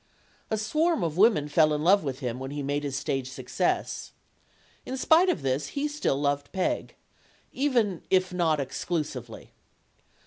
A swarm of women fell in love with him when he made his stage success. In spite of this, he still loved Peg. Even if not exclusively.